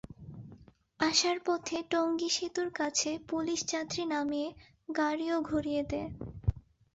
আসার পথে টঙ্গী সেতুর কাছে পুলিশ যাত্রী নামিয়ে গাড়িও ঘুরিয়ে দেয়।